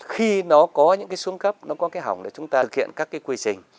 khi nó có những xuống cấp nó có cái hỏng để chúng ta thực hiện các quy trình